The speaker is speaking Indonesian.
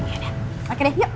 pakai deh yuk